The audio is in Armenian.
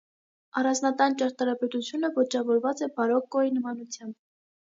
Առանձնատան ճարտարապետությունը ոճավորված է բարոկկոյի նմանությամբ։